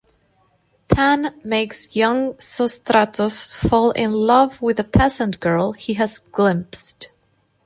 Pan makes young Sostratos fall in love with a peasant girl he has glimpsed.